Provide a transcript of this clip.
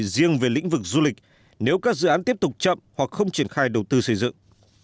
riêng về lĩnh vực du lịch nếu các dự án tiếp tục chậm hoặc không triển khai đầu tư xây dựng